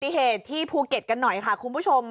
เหตุที่ภูเก็ตกันหน่อยค่ะคุณผู้ชม